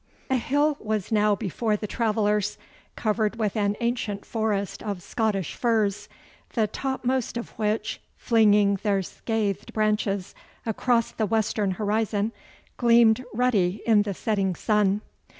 A hill was now before the travellers, covered with an ancient forest of Scottish firs, the topmost of which, flinging their scathed branches across the western horizon, gleamed ruddy in the setting sun.